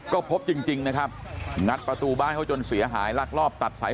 ก็พบจริงนะครับงัดประตูบ้านเขาจนเสียหายลักลอบตัดสาย